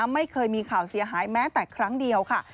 ไม่เคยมีข่าวเสียหายแม้แต่ครั้งเดียวค่ะ